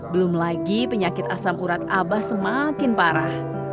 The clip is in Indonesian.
belum lagi penyakit asam urat abah semakin parah